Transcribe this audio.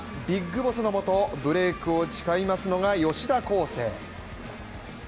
ビッグボスのもと、ブレークを誓いますのが吉田輝星。